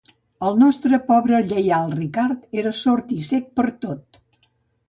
El nostre pobre lleial Richard era sord i cec per a tot.